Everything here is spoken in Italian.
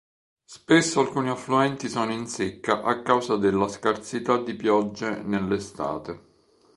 Spesso alcuni affluenti sono in secca a causa della scarsità di piogge nell'estate.